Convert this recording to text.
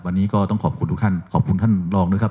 วันนี้ก็ต้องขอบคุณทุกท่านขอบคุณท่านรองด้วยครับ